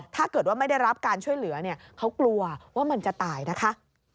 ถ้าเกิดว่าไม่ได้รับการช่วยเหลือเนี่ยเขากลัวว่ามันจะตายนะคะ